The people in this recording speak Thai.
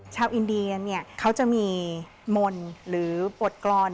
ชาวอินเดียเนี่ยเขาจะมีมนต์หรือบทกรรม